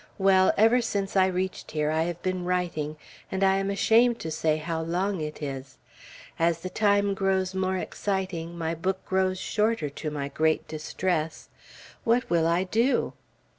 Well, ever since I reached here I have been writing, and I am ashamed to say how long it is. As the time grows more exciting, my book grows shorter, to my great distress. What will I do?